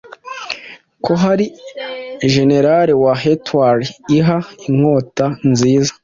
ko ari general wa Hetwars Iha inkota nziza